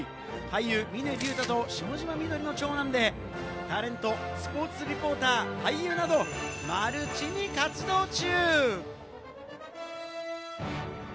俳優・峰竜太と下嶋美どりの長男で、タレント、スポーツリポーター、俳優などマルチに活動中。